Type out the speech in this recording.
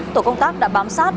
tổ công tác đã bám sát